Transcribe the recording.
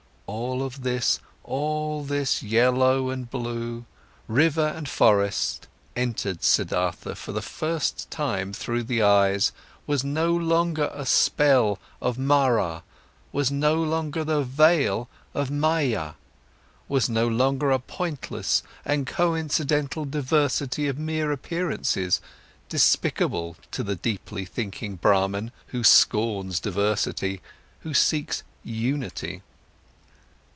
All of this, all this yellow and blue, river and forest, entered Siddhartha for the first time through the eyes, was no longer a spell of Mara, was no longer the veil of Maya, was no longer a pointless and coincidental diversity of mere appearances, despicable to the deeply thinking Brahman, who scorns diversity, who seeks unity.